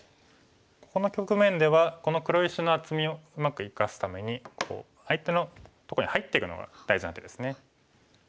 この局面ではこの黒石の厚みをうまく生かすためにこう相手のとこに入っていくのが大事な手ですね。